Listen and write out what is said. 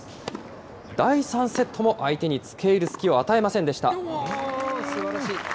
第３セットも、相手につけいる隙を与えませんでした。